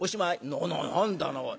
「なな何だなおい。